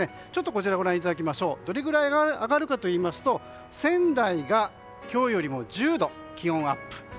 こちら、ご覧いただきますとどれぐらい上がるかといいますと仙台が今日よりも１０度気温アップ。